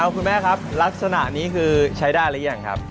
คุณแม่ครับลักษณะนี้คือใช้ได้หรือยังครับ